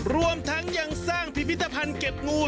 รวมทั้งยังสร้างพิพิธภัณฑ์เก็บงู